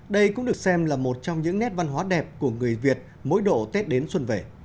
đây cũng được xem là một trong những nét văn hóa đẹp của người việt mỗi độ tết đến xuân về